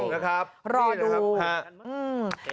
รอดู